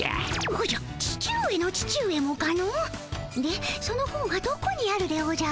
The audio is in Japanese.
おじゃ父上の父上もかの？でその本はどこにあるでおじゃる？